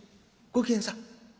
ご機嫌さん」。